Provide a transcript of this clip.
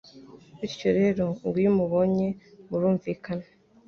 bityo rero ngo iyo umubonye murumvikana